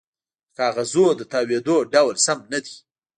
د کاغذونو د تاویدو ډول سم نه دی